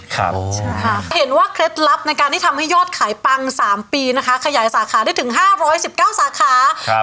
เห็นว่าเคล็ดลับในการที่ทำให้ยอดขายปังสามปีนะคะขยายสาขาได้ถึง๕๑๙สาขาครับ